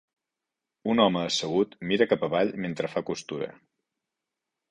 Un home assegut mira cap avall mentre fa costura.